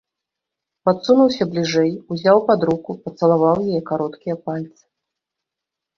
Падсунуўся бліжэй, узяў пад руку, пацалаваў яе кароткія пальцы.